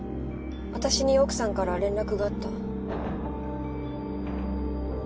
私に奥さんから連絡があった。